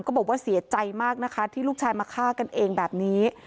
บอกว่าเสียใจมากนะคะที่ลูกชายมาฆ่ากันเองแบบนี้